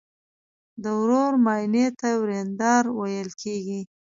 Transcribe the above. د ورور ماینې ته وریندار ویل کیږي.